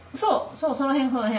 そうその辺その辺。